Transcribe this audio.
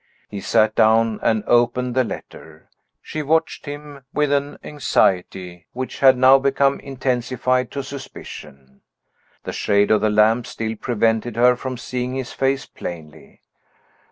He sat down and opened the letter. She watched him with an anxiety which had now become intensified to suspicion. The shade of the lamp still prevented her from seeing his face plainly.